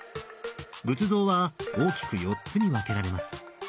仏像は大きく４つに分けられます。